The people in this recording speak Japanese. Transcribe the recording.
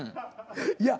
いや。